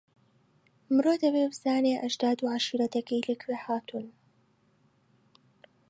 مرۆ دەبێ بزانێ ئەژداد و عەشیرەتەکەی لەکوێ هاتوون.